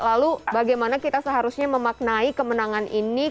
lalu bagaimana kita seharusnya memaknai kemenangan ini